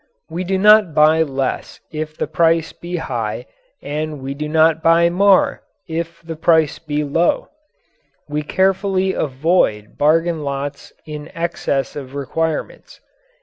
We do not buy less if the price be high and we do not buy more if the price be low. We carefully avoid bargain lots in excess of requirements.